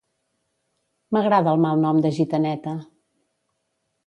M'agrada el malnom de gitaneta